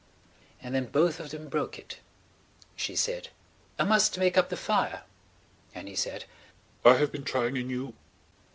And then both of them broke it. She said: "I must make up the fire," and he said: "I have been trying a new